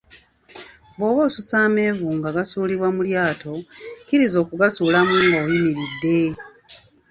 Bwoba osusa amenvu nga gasuulibwa mu lyato, kizira okugasuulamu nga oyimiridde.